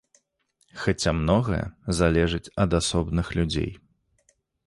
Хаця многае залежыць ад асобных людзей.